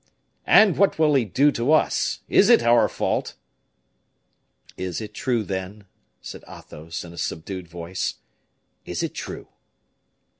"And what will he do to us? Is it our fault?" "It is true, then?" said Athos, in a subdued voice. "It is true?"